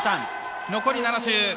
残り７周。